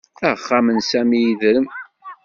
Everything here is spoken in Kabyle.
Axxam n Sami yedrem